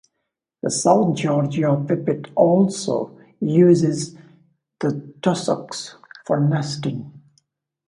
The South Georgia pipit also uses the tussocks for nesting.